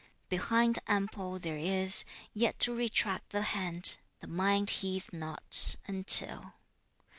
Behind ample there is, yet to retract the hand, the mind heeds not, until.